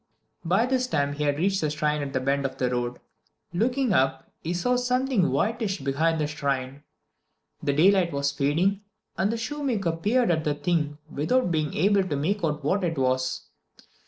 By this time he had nearly reached the shrine at the bend of the road. Looking up, he saw something whitish behind the shrine. The daylight was fading, and the shoemaker peered at the thing without being able to make out what it was.